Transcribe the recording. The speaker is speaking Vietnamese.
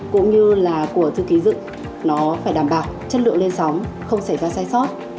cũng như là của thư ký dựng nó phải đảm bảo chất lượng lên sóng không xảy ra sai sót